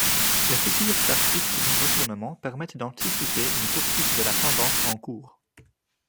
Les figures chartistes de retournement permettent d'anticiper une poursuite de la tendance en cours.